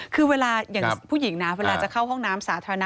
คือเวลาอย่างผู้หญิงนะเวลาจะเข้าห้องน้ำสาธารณะ